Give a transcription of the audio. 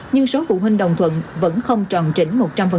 nhưng số phụ huynh đồng thuận vẫn không tròn chỉnh một trăm linh